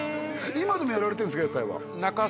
今でもやられてるんですか？